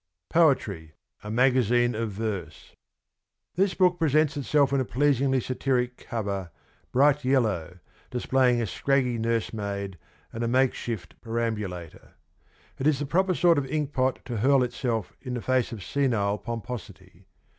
POETRY : A MAGAZINE OF VERSE. This book presents itself in a pleasingly satiric cover, bright yellow, displaying a scraggy nursemaid and a makeshift perambulator. It is the proper sort of ink pot to hurl itself in the face of senile pomposity.